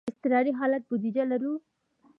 د اضطراري حالت بودیجه لرو؟